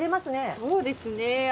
そうですね。